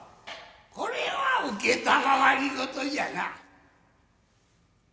これは承り事じゃな。